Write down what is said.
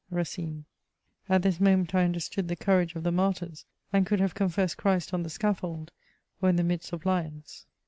"— Racine. At this moment, I understood the courage of the martyrs, and could have confessed Christ on the scaffold, or in the midst of lions.